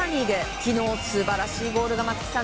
昨日、素晴らしいゴールが松木さん！